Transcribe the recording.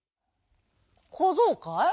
「こぞうかい？